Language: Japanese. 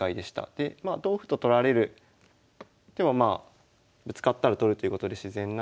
でまあ同歩と取られてもまあぶつかったら取るということで自然なんですけど。